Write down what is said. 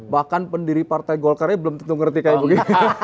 bahkan pendiri partai golkar ini belum tentu ngerti kayak begini